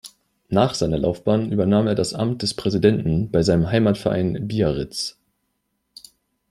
Nach seiner Laufbahn übernahm er das Amt des Präsidenten bei seinem Heimatverein Biarritz.